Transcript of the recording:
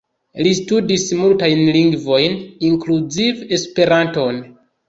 Li studis multajn lingvojn, inkluzive Esperanton.